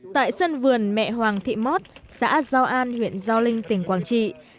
tại sân vườn mẹ hoàng thị mót xã giao an huyện giao linh tỉnh quảng trị